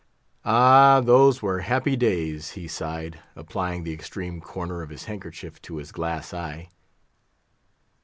Ah, those were happy days!" he sighed, applying the extreme corner of his handkerchief to his glass eye.